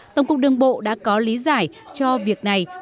tổng cục đường bộ đã có lý giải cho việc này